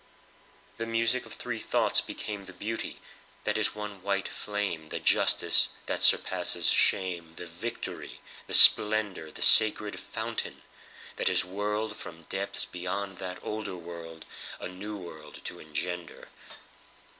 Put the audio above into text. The music of three thoughts becameThe beauty, that is one white flame, The justice that surpasses shame, The victory, the splendour, The sacred fountain that is whirledFrom depths beyond that older worldA new world to engender.